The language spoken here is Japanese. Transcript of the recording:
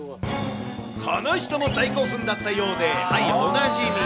この人も大興奮だったようで、はい、おなじみ。